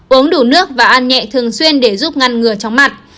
uống đủ nước và ăn nhẹ thường xuyên để giúp ngăn ngừa chóng mặt